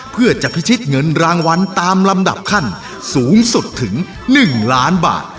เพื่อจะพิชิตเงินรางวัลตามลำดับขั้นสูงสุดถึง๑ล้านบาท